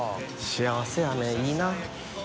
幸せやねいいな。